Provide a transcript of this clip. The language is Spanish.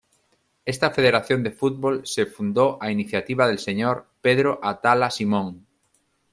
Esta Federación de Fútbol, se fundó a iniciativa del señor Pedro Atala Simón.